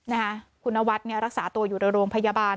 นะคะคุณนวัดเนี่ยรักษาตัวอยู่ในโรงพยาบาล